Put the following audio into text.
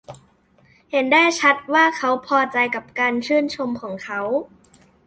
เห็นได้ชัดว่าเขาพอใจกับการชื่นชมของเขา